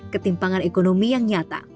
ketimpangan ekonomi yang nyata